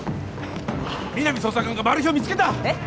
皆実捜査官がマル被を見つけたえっ！？